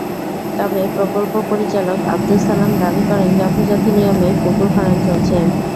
তবে প্রকল্প পরিচালক আবদুস সালাম দাবি করেন, যথাযথ নিয়মেই পুকুর খনন চলছে।